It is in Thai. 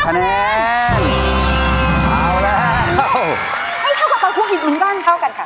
เท่ากับตัวตัวอินอุ้ยก็เท่ากัน